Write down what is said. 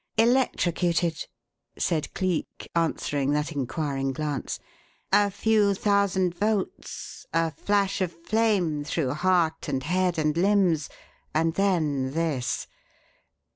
"Electrocuted," said Cleek, answering that inquiring glance. "A few thousand volts a flash of flame through heart and head and limbs, and then this!